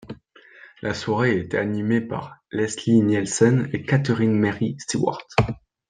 La soirée était animée par Leslie Nielsen et Catherine Mary Stewart.